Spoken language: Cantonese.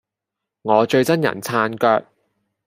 我最憎人撐腳